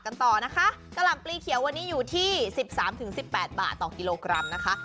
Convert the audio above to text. กันต่อนะคะกะหล่ำปลีเขียววันนี้อยู่ที่๑๓๑๘บาทต่อกิโลกรัมนะคะ